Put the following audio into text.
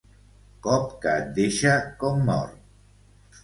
Cop que et deixa com mort.